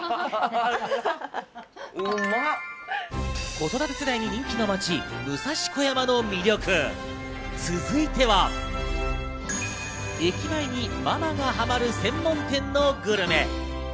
子育て世代に人気の街・武蔵小山の魅力、続いては駅前にママがハマる専門店のグルメ。